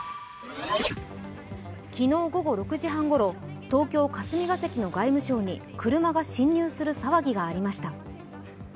昨日午後６時半ごろ、東京・霞が関の外務省に車が侵入する騒ぎがありました。